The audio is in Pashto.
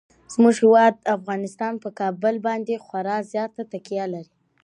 زموږ هیواد افغانستان په کابل باندې خورا زیاته تکیه لري.